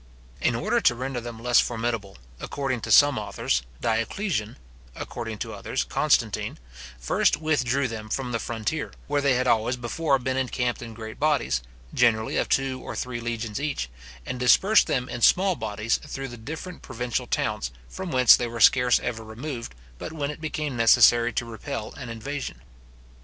In order to render them less formidable, according to some authors, Dioclesian, according to others, Constantine, first withdrew them from the frontier, where they had always before been encamped in great bodies, generally of two or three legions each, and dispersed them in small bodies through the different provincial towns, from whence they were scarce ever removed, but when it became necessary to repel an invasion.